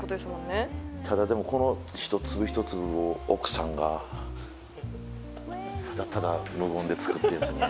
ただでもこの一粒一粒を奥さんがただただ無言で作ってるんすね。